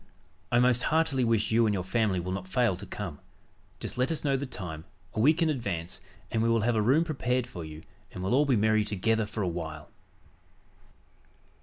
I most heartily wish you and your family will not fail to come. Just let us know the time, a week in advance, and we will have a room prepared for you and we'll all be merry together for a while."